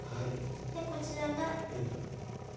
でこちらが。